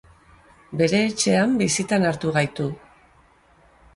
Bere etxean bisitan hartu gaitu.